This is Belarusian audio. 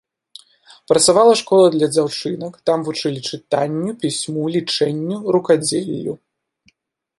Працавала школа для дзяўчынак, там вучылі чытанню, пісьму, лічэнню, рукадзеллю.